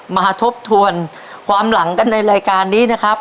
ทบทวนความหลังกันในรายการนี้นะครับ